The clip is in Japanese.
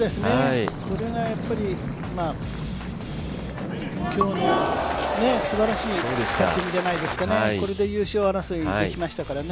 これが今日のすばらしいパッティングじゃないでしょうかね、これで優勝争いできましたからね。